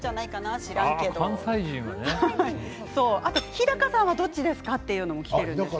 日高さんはどっちですかときています。